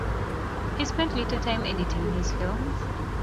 He spent little time editing his films.